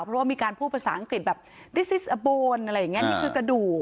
เพราะว่ามีการพูดภาษาอังกฤษแบบอะไรอย่างเงี้ยนี่คือกระดูก